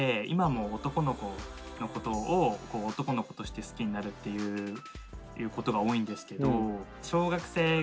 今も男の子のことを男の子として好きになるっていうことが多いんですけど。